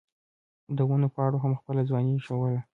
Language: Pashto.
د ونو پاڼو هم خپله ځواني ښووله.